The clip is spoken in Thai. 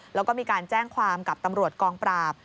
แล้วก็มีการแจ้งความกับตำรวจกองปราบ